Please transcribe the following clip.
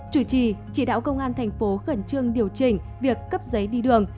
chủ trì chỉ đạo công an tp hcm điều chỉnh việc cấp giấy đi đường